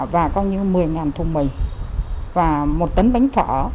và coi như một mươi thùng mì và một tấn bánh phở